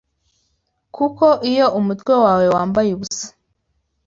kuko, iyo umutwe wawe wambaye ubusa